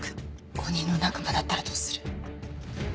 鬼の仲間だったらどうする？